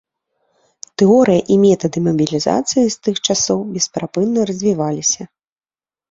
Тэорыя і метады мабілізацыі з тых часоў бесперапынна развіваліся.